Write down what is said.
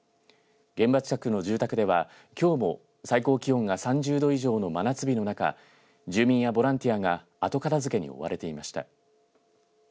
現場近くの住宅ではきょうも最高気温が３０度以上の真夏日の中住民やボランティアが後片づけに追われていました。